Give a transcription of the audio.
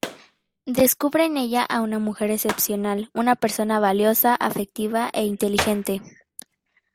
Descubre en ella a una mujer excepcional, una persona valiosa, afectiva e inteligente.